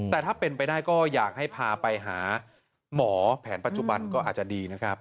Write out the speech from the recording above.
แต่ถ้าเป็นไปได้ก็อยากให้พาไปหาหมอแผนปัจจุบันก็อาจจะดีนะครับ